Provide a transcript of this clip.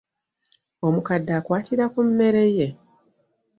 Omukadde akwatira ku mmere ye .